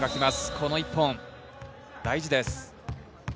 この一本大事です。